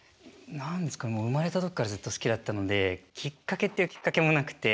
何ですかもう生まれた時からずっと好きだったのできっかけっていうきっかけもなくて。